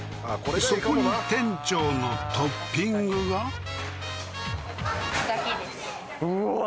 そこに店長のトッピングがうわ